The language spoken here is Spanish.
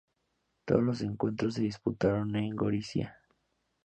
Todos los encuentros se disputaron en Gorizia.